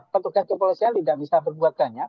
petugas kepolisian tidak bisa berbuat banyak